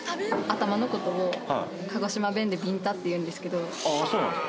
頭のことを、鹿児島弁でビンタっていうんですけど。